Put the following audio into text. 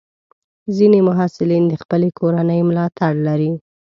ځینې محصلین د خپلې کورنۍ ملاتړ لري.